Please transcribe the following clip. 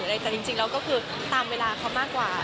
แต่จริงแล้วก็คือตามเวลาเขามากกว่า